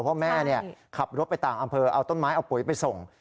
เพราะแม่ขับรถไปต่างอำเภอเอาต้นไม้เอาปุ๋ยไปส่ง